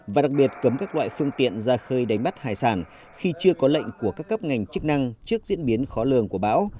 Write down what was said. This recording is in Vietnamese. và đặc biệt cấm các loại phương tiện ra khơi đánh bắt hải sản khi chưa có lệnh của các cấp ngành chức năng trước diễn biến khó lường của bão